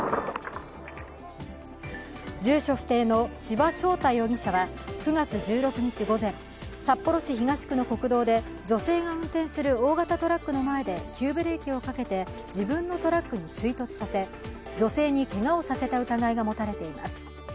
住所不定の千葉翔太容疑者は９月１６日午前、札幌市東区の国道で女性が運転する大型トラックの前で急ブレーキをかけて自分のトラックに追突させ女性にけがをさせた疑いが持たれています。